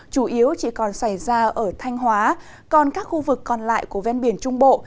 chủ yếu chỉ còn xảy ra ở thanh hóa còn các khu vực còn lại của ven biển trung bộ